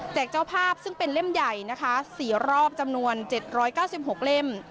จากเจ้าภาพซึ่งเป็นเล่มใหญ่นะคะ๔รอบจำนวน๗๙๖เล่ม